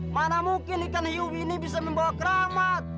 mana mungkin ikan hiu ini bisa membawa keramat